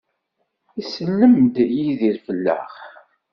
Isellem-d Yidir fell-aɣ.